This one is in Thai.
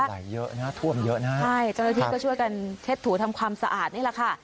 ไหลเยอะน่ะท่วมเยอะน่ะใช่จริงจริงก็ช่วยกันเท็จถูทำความสะอาดนี่แหละค่ะ